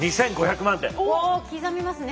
お刻みますね。